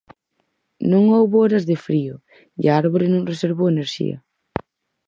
Non houbo horas de frío e a árbore non reservou enerxía.